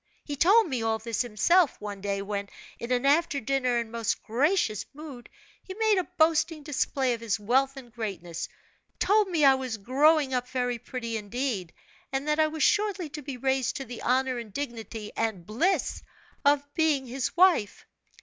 He told me all this himself, one day when, in an after dinner and most gracious mood, he made a boasting display of his wealth and greatness; told me I was growing up very pretty indeed, and that I was shortly to be raised to the honor and dignity, and bliss of being his wife.